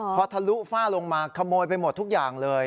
พอทะลุฝ้าลงมาขโมยไปหมดทุกอย่างเลย